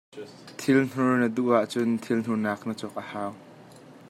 Thil hnur na duh ahcun thil hnurnak na cawk a hau.